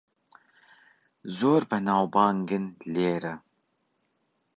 زۆر بەناوبانگن لێرە.